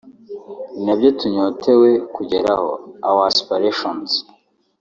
ni nabyo tunyotewe kugeraho (our aspirations)